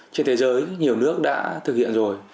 trên thế giới nhiều nước đã thực hiện rồi